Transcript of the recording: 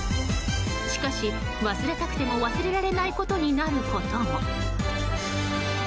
しかし、忘れたくても忘れられないことになることも。